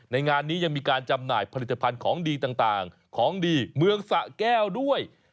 งานนี้ยังมีการจำหน่ายผลิตภัณฑ์ของดีต่างของดีเมืองสะแก้วด้วย